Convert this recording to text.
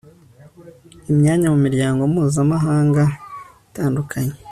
imyanya mu miryango mpuzamahanga itandukanye